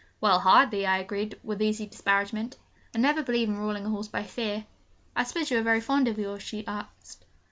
'Well hardly,' I agreed, with easy disparagement. 'I never believe in ruling a horse by fear.' 'I suppose you are very fond of yours?' she said.